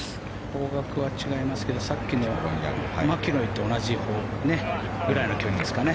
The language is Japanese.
方角は違いますけどさっきのマキロイと同じくらいの距離ですかね。